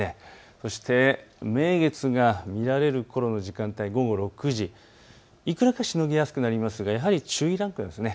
そして名月が見られるこの時間帯、午後６時、いくらかしのぎやすくなりますがやはり注意ランクなんです。